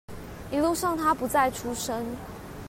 一路上他不再出聲